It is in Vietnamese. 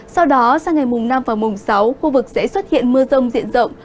sau đó sang ngày mùng năm và mùng sáu khu vực sẽ xuất hiện mưa rông diện rộng